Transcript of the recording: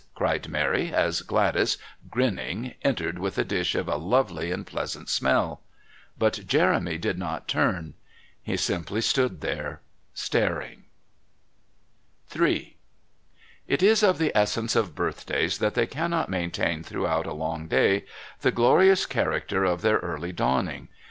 cried Mary, as Gladys, grinning, entered with a dish of a lovely and pleasant smell. But Jeremy did not turn. He simply stood there staring. III It is of the essence of birthdays that they cannot maintain throughout a long day the glorious character of their early dawning.